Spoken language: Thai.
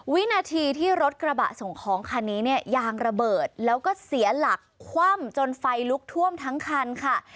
วินาทีที่รถกระบะส่งของคันนี้เนี่ยยางระเบิดแล้วก็เสียหลักคว่ำจนไฟลุกท่วมทั้งคันค่ะ